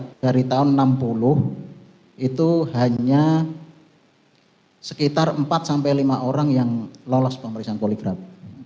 saya bisa jelaskan yang mulia di tahun enam puluh itu hanya sekitar empat lima orang yang lolos pemeriksaan poligraf